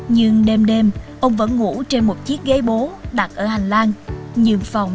nhưng đêm đêm ông vẫn ngủ trên một chiếc ghế bố đặt ở hành lang